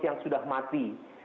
yang sudah mati